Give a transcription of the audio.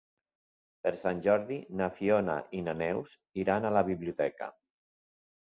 Per Sant Jordi na Fiona i na Neus iran a la biblioteca.